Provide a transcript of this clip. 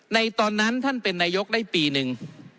ในตอนนั้นท่านเป็นนายกได้ปีหนึ่ง